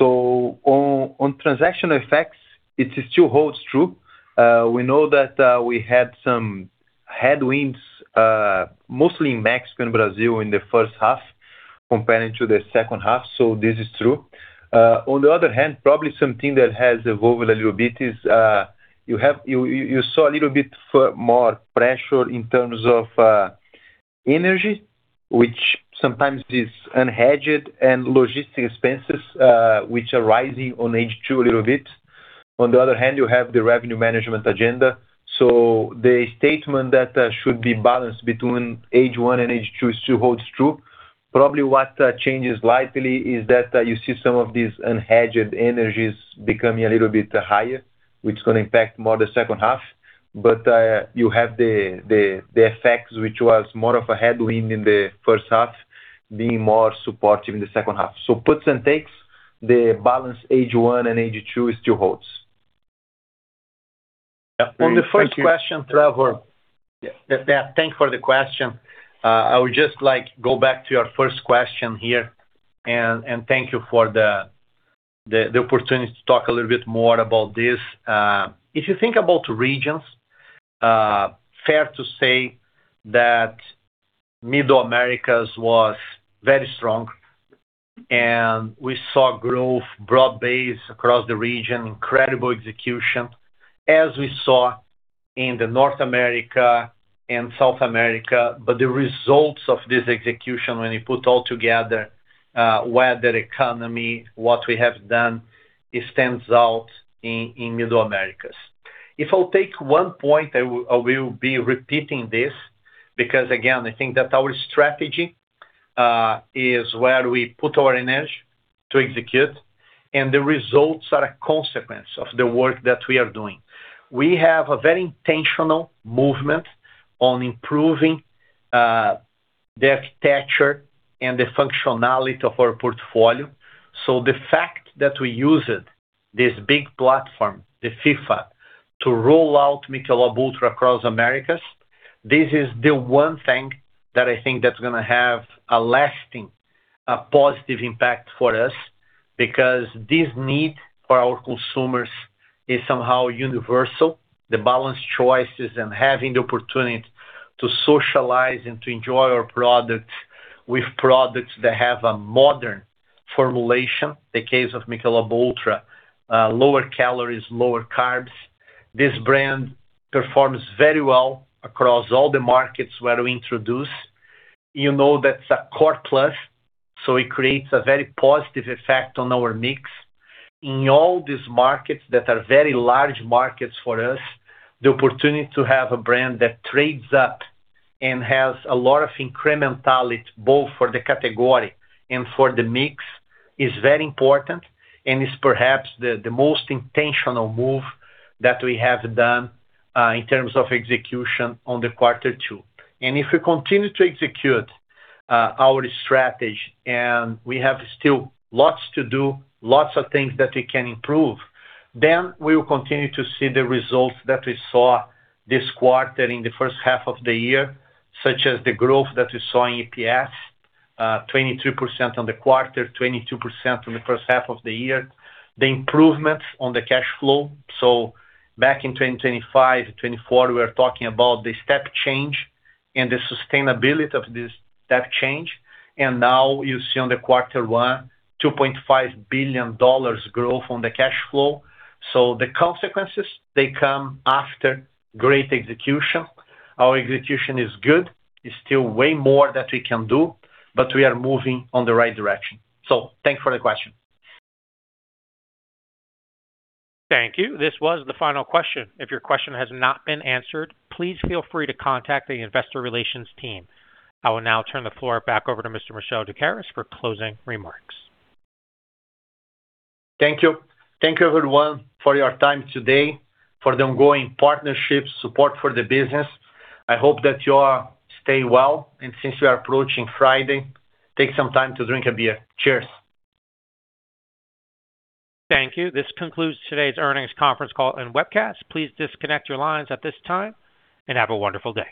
On transactional FX, it still holds true. We know that we had some headwinds, mostly in Mexico and Brazil in the first half comparing to the second half, this is true. On the other hand, probably something that has evolved a little bit is you saw a little bit more pressure in terms of energy, which sometimes is unhedged, and logistic expenses, which are rising on H2 a little bit. On the other hand, you have the revenue management agenda. The statement that should be balanced between H1 and H2 still holds true. Probably what changes lightly is that you see some of these unhedged energies becoming a little bit higher, which is going to impact more the second half. You have the FX, which was more of a headwind in the first half, being more supportive in the second half. Puts and takes, the balance H1 and H2 still holds. Yeah. On the first question, Trevor. Thanks for the question. I would just go back to your first question here, thank you for the opportunity to talk a little bit more about this. If you think about regions, fair to say that Middle Americas was very strong, and we saw growth broad-based across the region, incredible execution, as we saw in the North America and South America. The results of this execution, when you put all together, weather, economy, what we have done, it stands out in Middle Americas If I'll take one point, I will be repeating this because again, I think that our strategy is where we put our energy to execute, and the results are a consequence of the work that we are doing. We have a very intentional movement on improving the architecture and the functionality of our portfolio. The fact that we used this big platform, the FIFA, to roll out Michelob ULTRA across Americas, this is the one thing that I think that's going to have a lasting, positive impact for us. Because this need for our consumers is somehow universal. The balanced choices and having the opportunity to socialize and to enjoy our products with products that have a modern formulation, the case of Michelob ULTRA, lower calories, lower carbs. This brand performs very well across all the markets where we introduce. You know that's a core plus, so it creates a very positive effect on our mix. In all these markets that are very large markets for us, the opportunity to have a brand that trades up and has a lot of incrementality, both for the category and for the mix, is very important and is perhaps the most intentional move that we have done, in terms of execution on the quarter two. If we continue to execute our strategy, and we have still lots to do, lots of things that we can improve, then we will continue to see the results that we saw this quarter in the first half of the year, such as the growth that we saw in EPS, 22% on the quarter, 22% on the first half of the year. The improvements on the cash flow. Back in 2025, 2024, we were talking about the step change and the sustainability of that change. Now you see on the quarter one, $2.5 billion growth on the cash flow. The consequences, they come after great execution. Our execution is good. It's still way more that we can do, but we are moving on the right direction. Thanks for the question. Thank you. This was the final question. If your question has not been answered, please feel free to contact the investor relations team. I will now turn the floor back over to Mr. Michel Doukeris for closing remarks. Thank you. Thank you, everyone, for your time today, for the ongoing partnership support for the business. I hope that you all stay well, and since we are approaching Friday, take some time to drink a beer. Cheers. Thank you. This concludes today's earnings conference call and webcast. Please disconnect your lines at this time, and have a wonderful day.